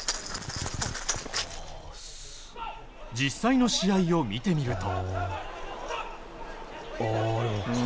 実際の試合を見てみると。